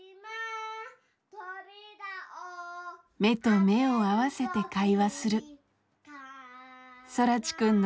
目と目を合わせて会話する空知くんの家族です。